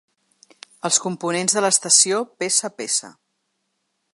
Els components de l’estació, peça a peça.